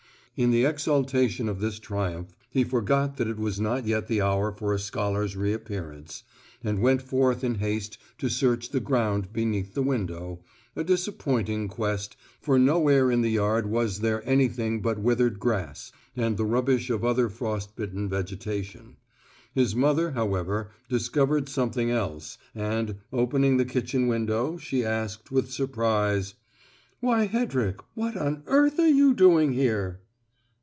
In the exaltation of this triumph, he forgot that it was not yet the hour for a scholar's reappearance, and went forth in haste to search the ground beneath the window a disappointing quest, for nowhere in the yard was there anything but withered grass, and the rubbish of other frost bitten vegetation. His mother, however, discovered something else, and, opening the kitchen window, she asked, with surprise: "Why, Hedrick, what on earth are you doing here?"